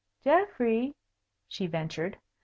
"Geoffrey " she ventured.